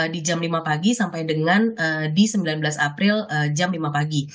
di jam lima pagi sampai dengan di sembilan belas april jam lima pagi